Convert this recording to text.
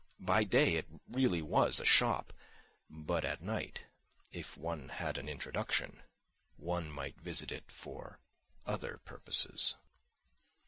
By day it really was a shop; but at night, if one had an introduction, one might visit it for other purposes.